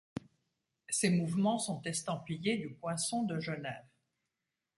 Ses mouvements sont estampillés du Poinçon de Genève.